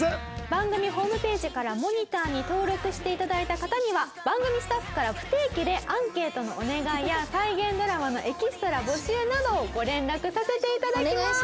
番組ホームページからモニターに登録して頂いた方には番組スタッフから不定期でアンケートのお願いや再現ドラマのエキストラ募集などをご連絡させて頂きます。